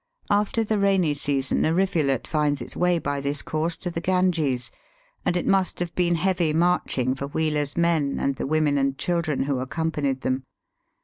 After the rainy season a rivu let finds its way by this course to the Ganges, and it must have been heavy marching for Wheeler's men and the women and children who accompanied them.